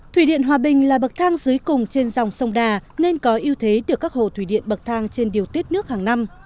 thủy điện hòa bình là bậc thang dưới cùng trên dòng sông đà nên có ưu thế được các hồ thủy điện bậc thang trên điều tiết nước hàng năm